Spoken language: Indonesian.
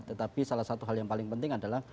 tetapi salah satu hal yang paling penting adalah